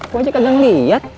kok aja kagak ngeliat